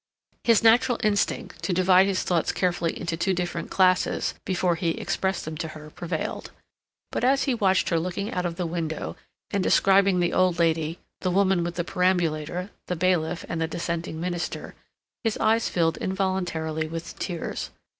His natural instinct to divide his thoughts carefully into two different classes before he expressed them to her prevailed. But as he watched her looking out of the window and describing the old lady, the woman with the perambulator, the bailiff and the dissenting minister, his eyes filled involuntarily with tears.